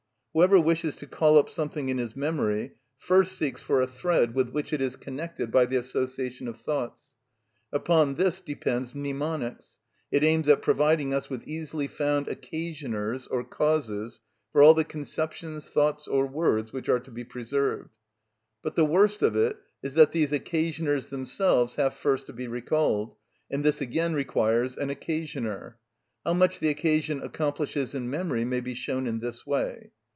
Whoever wishes to call up something in his memory first seeks for a thread with which it is connected by the association of thoughts. Upon this depends mnemonics: it aims at providing us with easily found occasioners or causes for all the conceptions, thoughts, or words which are to be preserved. But the worst of it is that these occasioners themselves have first to be recalled, and this again requires an occasioner. How much the occasion accomplishes in memory may be shown in this way.